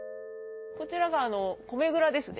こちらが米蔵ですね。